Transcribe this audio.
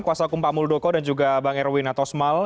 kuasa hukum pak muldoko dan juga bang erwin atosmal